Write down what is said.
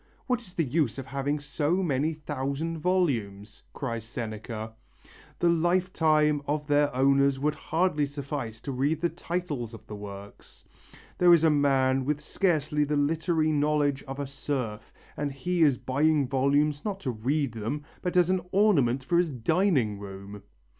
"What is the use of having so many thousand volumes," cries Seneca, "the lifetime of their owners would hardly suffice to read the titles of the works.... There is a man with scarcely the literary knowledge of a serf, and he is buying volumes, not to read them, but as an ornament for his dining room!